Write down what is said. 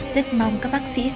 rất mong các bác sĩ